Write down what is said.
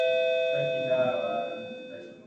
mkataba huo ulianzisha mahakama ya kimataifa ya jinai